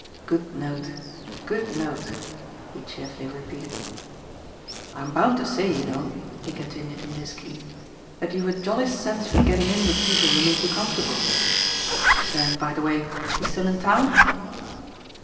Good note, good note," he cheerfully repeated. "I'm bound to say, you know," he continued in this key, "that you've a jolly sense for getting in with people who make you comfortable. Then, by the way, he's still in town?"